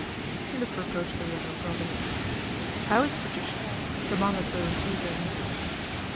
She looked reproachfully at her brother. " How's Patricia ?" demanded Bowen eagerly.